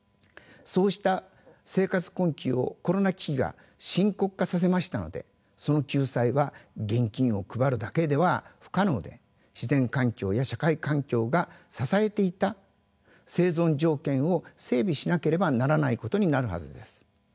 そうした生活困窮をコロナ危機が深刻化させましたのでその救済は現金を配るだけでは不可能で自然環境や社会環境が支えていた生存条件を整備しなければならないことになるはずです。